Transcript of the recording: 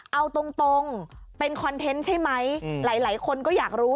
เอาตรงเป็นคอนเทนต์ใช่ไหมหลายคนก็อยากรู้